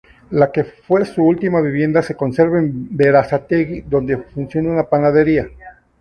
La que fue su última vivienda se conserva en Berazategui, donde funciona una panadería.